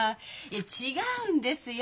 いえ違うんですよ。